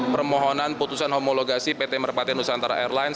permohonan putusan homologasi pt merpati nusantara airlines